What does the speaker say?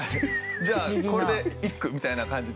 じゃあこれで一句みたいな感じで。